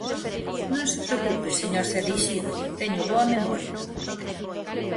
Non se preocupe, señor Cereixido, teño boa memoria.